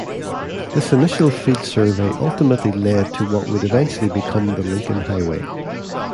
This initial field survey ultimately led to what would eventually become the Lincoln Highway.